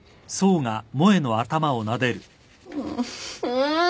うん！